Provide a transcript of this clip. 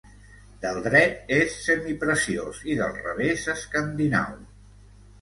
Del dret és semipreciós i del revés escandinau.